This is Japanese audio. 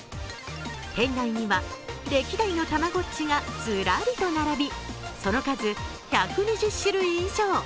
店内には歴代のたまごっちがずらりと並び、その数、１２０種類以上。